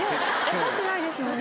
怒ってないですもんね。